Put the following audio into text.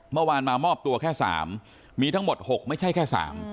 เมื่อวานมามอบตัวแค่๓มีทั้งหมด๖ไม่ใช่แค่๓